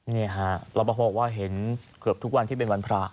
นี่ฮะรับประพอว่าเห็นเกือบทุกวันที่เป็นวันพระ